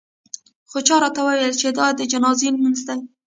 خو چا راته وویل چې دا د جنازې لمونځ دی.